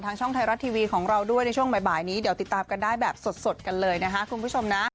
ช่องไทยรัฐทีวีของเราด้วยในช่วงบ่ายนี้เดี๋ยวติดตามกันได้แบบสดกันเลยนะคะคุณผู้ชมนะ